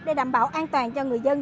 để đảm bảo an toàn cho người dân